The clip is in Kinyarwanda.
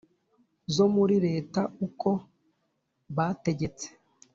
zo muri leta uko bategetse